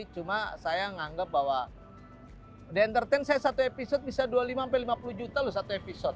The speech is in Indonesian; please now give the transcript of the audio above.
cuma saya menganggap bahwa the entertain saya satu episode bisa dua puluh lima sampai lima puluh juta loh satu episode